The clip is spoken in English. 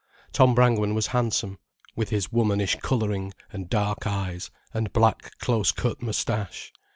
Tom Brangwen was handsome, with his womanish colouring and dark eyes and black close cut moustache.